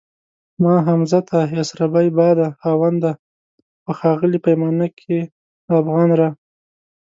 ما حمزه ته يسربی باده خاونده په ښاغلي پیمانه کي دافغان را